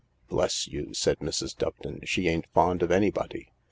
" Bless you," said Mrs. Doveton, " she ain't fond of any body.